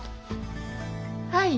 はい。